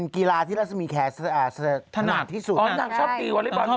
กีฬาที่ลักษณ์มีแขกถนัดที่สุดอ๋อนางชอบตีวอร์เรบอร์นก็ตี